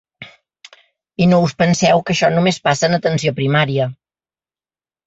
I no us penseu que això només passa en atenció primària.